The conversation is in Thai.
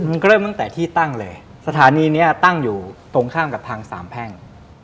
มันก็เริ่มตั้งแต่ที่ตั้งเลยสถานีนี้ตั้งอยู่ตรงข้ามกับทางสามแพ่ง